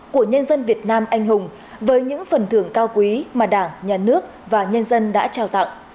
của nhân dân việt nam anh hùng với những phần thưởng cao quý mà đảng nhà nước và nhân dân đã trao tặng